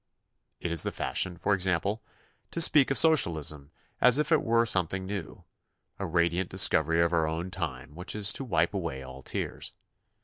It is the fashion, for example, to speak of socialism as if it were something new, a radiant dis covery of our own time which is to wipe away all tears.